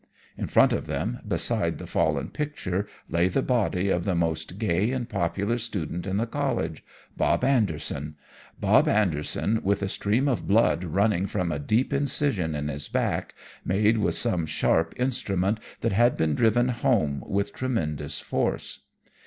In front of them, beside the fallen picture, lay the body of the most gay and popular student in the College Bob Anderson Bob Anderson with a stream of blood running from a deep incision in his back made with some sharp instrument, that had been driven home with tremendous force.